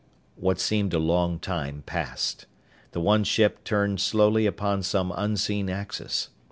What seemed a long time passed. The one ship turned slowly upon some unseen axis.